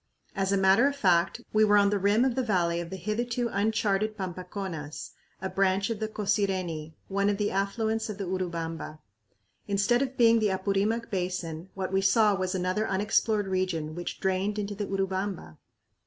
As a matter of fact, we were on the rim of the valley of the hitherto uncharted Pampaconas, a branch of the Cosireni, one of the affluents of the Urubamba. Instead of being the Apurimac Basin, what we saw was another unexplored region which drained into the Urubamba!